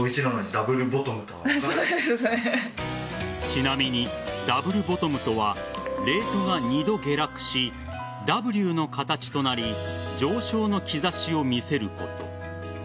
ちなみにダブルボトムとはレートが２度下落しＷの形となり上昇の兆しを見せること。